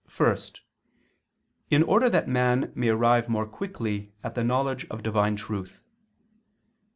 First, in order that man may arrive more quickly at the knowledge of Divine truth.